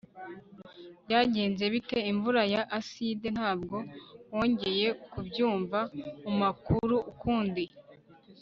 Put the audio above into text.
Byagenze bite imvura ya aside Ntabwo wongeye kubyumva mumakuru ukundi